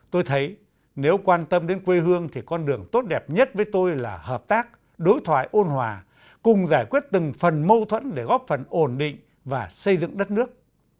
tôi thấy nếu quan tâm đến quê hương thì con đường tốt đẹp nhất với tôi là hợp tác đối thoại ôn hòa cùng giải quyết từng phần mâu thuẫn để góp phần ổn định và xây dựng đất nước